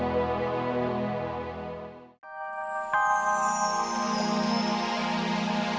sebesar anak anak depan